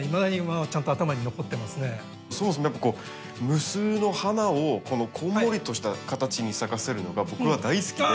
無数の花をこのこんもりとした形に咲かせるのが僕は大好きで。